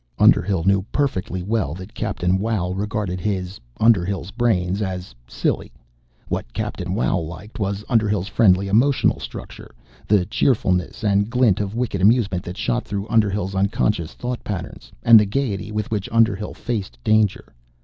Underhill knew perfectly well that Captain Wow regarded his, Underhill's, brains as silly. What Captain Wow liked was Underhill's friendly emotional structure, the cheerfulness and glint of wicked amusement that shot through Underhill's unconscious thought patterns, and the gaiety with which Underhill faced danger.